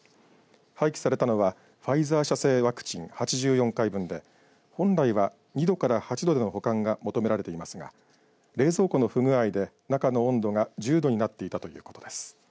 廃棄されたのはファイザー社製ワクチン８４回分で本来は２度から８度での保管が求められていますが冷蔵庫の不具合で中の温度が１０度になっていたということです。